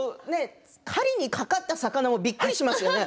かかった魚もびっくりしますよね。